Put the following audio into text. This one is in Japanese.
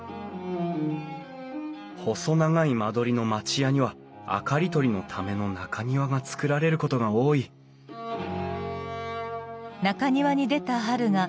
細長い間取りの町家には明かり取りのための中庭が造られることが多いあ？